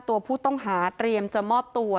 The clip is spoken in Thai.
ตัวผู้ต้องหาเตรียมจะมอบตัว